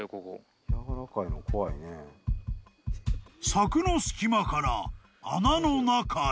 ［柵の隙間から穴の中へ］